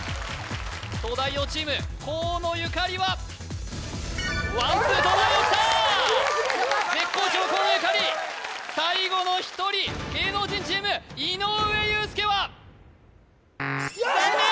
東大王チーム河野ゆかりはワンツー東大王きたー！絶好調河野ゆかり最後の１人芸能人チーム井上裕介は残念！